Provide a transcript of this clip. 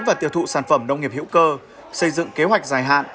và tiêu thụ sản phẩm nông nghiệp hữu cơ xây dựng kế hoạch dài hạn